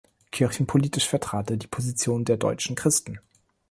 Kirchenpolitisch vertrat er die Position der Deutschen Christen.